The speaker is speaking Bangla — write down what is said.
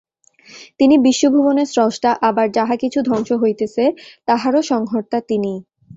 তিনি বিশ্বভুবনের স্রষ্টা, আবার যাহা কিছু ধ্বংস হইতেছে, তাহারও সংহর্তা তিনিই।